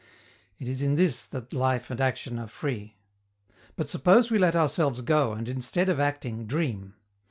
It is in this that life and action are free. But suppose we let ourselves go and, instead of acting, dream.